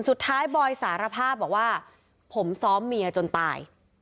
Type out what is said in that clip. สุดท้ายบอยสารภาพบอกว่าผมซ้อมเมียจนตาย